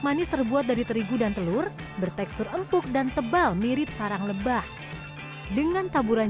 manis terbuat dari terigu dan telur bertekstur empuk dan tebal mirip sarang lebah dengan taburan